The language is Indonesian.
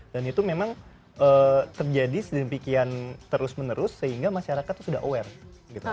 dan itu memang terjadi sedemikian terus menerus sehingga masyarakat itu sudah aware